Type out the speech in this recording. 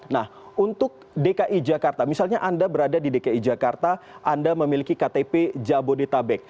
nah untuk dki jakarta misalnya anda berada di dki jakarta anda memiliki ktp jabodetabek